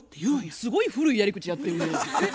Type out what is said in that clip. すごい古いやり口やってるね。